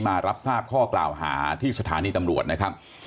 มารับทราบข้อกล่าวหาที่สถานีตำรวจนะครับ